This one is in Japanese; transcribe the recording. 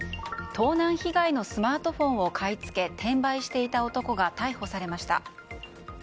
盗難被害のスマートフォンを買い付け転売していた男が逮捕されました。